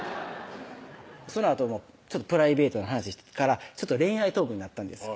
そのあともプライベートな話してから恋愛トークになったんですよ